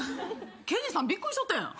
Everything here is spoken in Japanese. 刑事さんびっくりしとったやん。